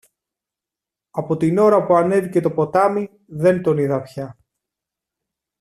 Από την ώρα που ανέβηκε το ποτάμι, δεν τον είδα πια.